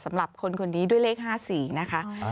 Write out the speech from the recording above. สำหรับคนคนนี้ด้วยเลข๕๔นะคะ